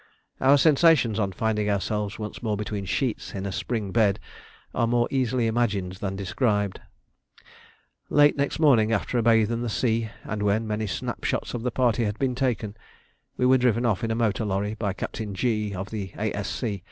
Our sensations on finding ourselves once more between sheets in a spring bed are more easily imagined than described. Late next morning, after a bathe in the sea and when many snapshots of the party had been taken, we were driven off in a motor lorry, by Captain G of the A.